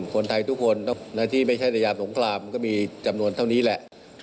คนไทยทุกคนที่ไม่ใช่ในยามสงครามก็มีจำนวนเท่านี้แหละ